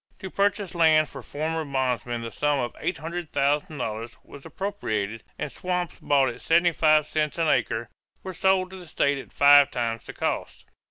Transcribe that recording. To purchase land for former bondmen the sum of $800,000 was appropriated; and swamps bought at seventy five cents an acre were sold to the state at five times the cost.